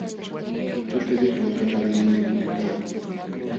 Tutallapam kamalan ninakulukaq.